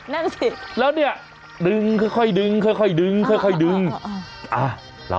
นั่นสิแล้วเนี้ยดึงค่อยค่อยดึงค่อยค่อยดึงค่อยค่อย